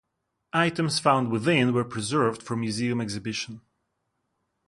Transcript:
Items found within were preserved for museum exhibition.